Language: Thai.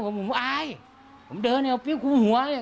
ถูกต้องครับผมอายผมเดินเอาปิ๊บคุมหัวเลย